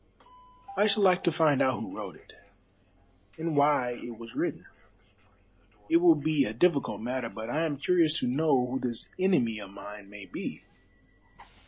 "I should like to find out who wrote it, and why it was written. It will be a difficult matter, but I am curious to know who this enemy of mine may be."